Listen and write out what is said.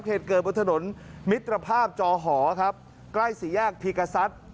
เหตุเกิดบนถนนมิตรภาพจอหอครับใกล้สี่แยกพีกษัตริย์